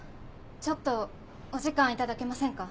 ・ちょっとお時間頂けませんか？